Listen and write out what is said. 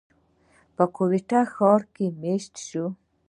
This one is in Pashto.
پۀ کوئټه ښار کښې ميشته شو،